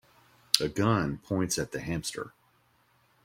A gun points at the hamster.